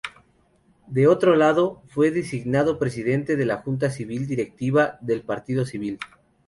De otro lado, fue designado presidente de la junta directiva del Partido Civil.